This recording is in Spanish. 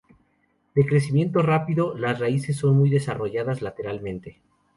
De crecimiento rápido, las raíces son muy desarrolladas lateralmente.